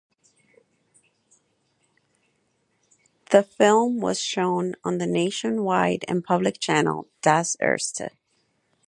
The film was shown on the nationwide and public channel Das Erste.